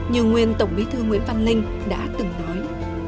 như nguyên tổng bí thư nguyễn văn linh đã từng nói